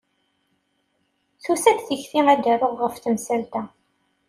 Tusa-d tikti ad d-aruɣ ɣef temsalt-a.